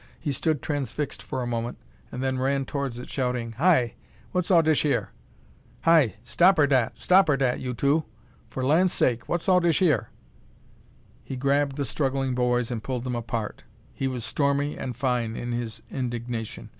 He stood transfixed for a moment, and then ran towards it, shouting: "Hi! What's all dish yere? Hi! Stopper dat, stopper dat, you two! For lan' sake, what's all dish yere?" He grabbed the struggling boys and pulled them apart. He was stormy and fine in his indignation.